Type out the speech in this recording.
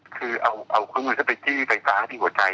คือเอาเครื่องมือเข้าไปจี้ไปฟ้าที่หัวใจ